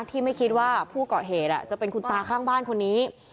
ที่ไม่คิดว่าผู้เกาะเหตุจะเป็นคุณตาข้างบ้านคนนี้